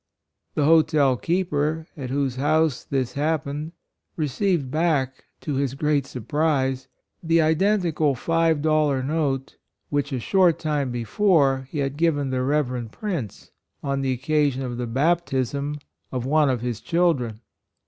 The hotel keeper at whose house this hap pened, received back, to his great surprise, the identical five dollar note which, a short time before, he had given the Reverend Prince, on the occasion of the baptism of one VIRTUES. 95 of his children.